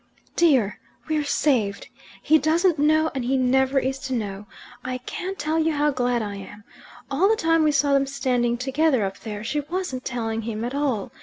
"Dear, we're saved! He doesn't know, and he never is to know. I can't tell you how glad I am. All the time we saw them standing together up there, she wasn't telling him at all.